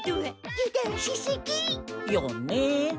油断しすぎ。よね。